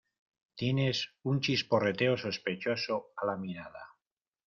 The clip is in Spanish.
Tienes un chisporroteo sospechoso a la mirada.